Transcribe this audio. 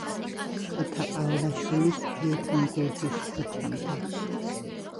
შოთა ყავლაშვილის იეთიმ გურჯის ქუჩამდე.